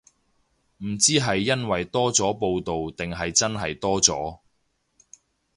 唔知係因為多咗報導定係真係多咗